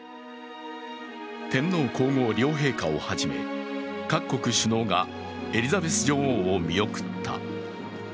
天皇皇后両陛下をはじめ各国首脳がエリザベス女王を見送った。